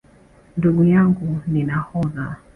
Ndugu yangu ni nahodha